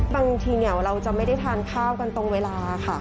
บางทีเราจะไม่ได้ทานข้าวกันตรงเวลาค่ะ